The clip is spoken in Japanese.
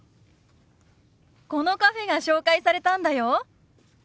このカフェが紹介されたんだよ。